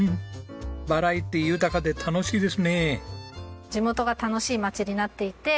バラエティー豊かで楽しいですね。